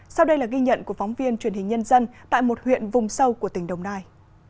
sau đây là ghi nhận của phóng viên truyền hình nhân dân tại một huyện vùng sâu của tỉnh đồng nai